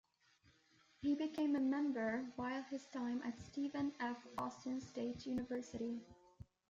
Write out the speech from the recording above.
He became a member while his time at Stephen F. Austin State University.